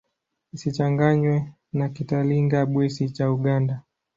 Isichanganywe na Kitalinga-Bwisi cha Uganda.